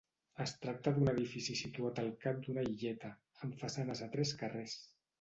Es tracta d'un edifici situat al cap d'una illeta, amb façanes a tres carrers.